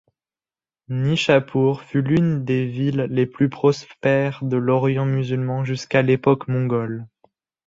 Nichapur, fut l'une des villes les plus prospères de l'Orient musulman jusqu'à l'époque mongole.